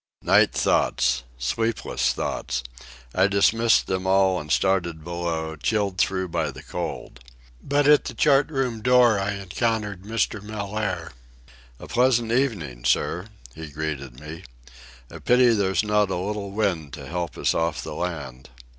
Night thoughts! Sleepless thoughts! I dismissed them all and started below, chilled through by the cold. But at the chart room door I encountered Mr. Mellaire. "A pleasant evening, sir," he greeted me. "A pity there's not a little wind to help us off the land."